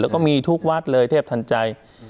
แล้วก็มีทุกวัดเลยเทพทันใจ